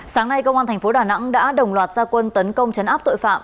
sáng nay công an thành phố đà nẵng đã đồng loạt gia quân tấn công chấn áp tội phạm